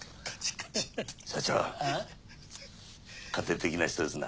家庭的な人ですな。